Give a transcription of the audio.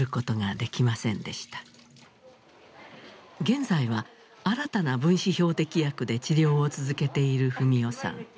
現在は新たな分子標的薬で治療を続けている史世さん。